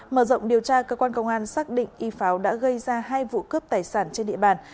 mở rộng điều tra cơ quan công an xác định y pháo đã gây ra hai vụ cướp tài sản trên địa bàn